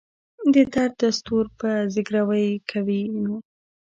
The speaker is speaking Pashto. د درد دستور به زګیروی کوي نو.